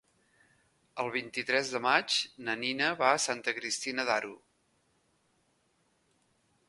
El vint-i-tres de maig na Nina va a Santa Cristina d'Aro.